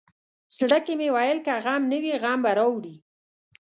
زړه کې مې ویل که غم نه وي غم به راوړي.